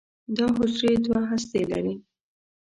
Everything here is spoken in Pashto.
دا حجرې دوه هستې لري.